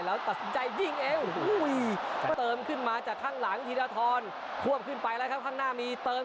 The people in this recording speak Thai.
เสร็จเกมรับหลวงเสาร์แรกเสาร์สอง